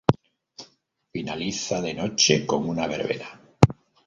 Finaliza de noche con una verbena.